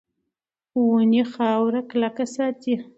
ونې خاوره کلکه ساتي.